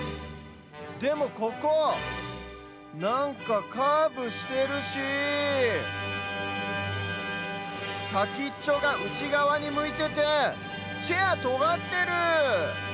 でもここなんかカーブしてるしさきっちょがうちがわにむいててチェアとがってる！